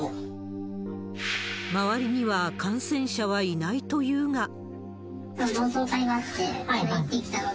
周りには感染者はいないというが。